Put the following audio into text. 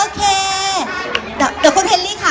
เดี๋ยวคุณแฮนรี่ค่ะ